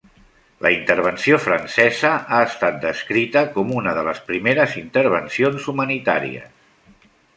La intervenció francesa ha estat descrita com una de les primeres intervencions humanitàries.